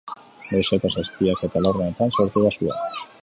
Goizeko zazpiak eta laurdenetan sortu da sua.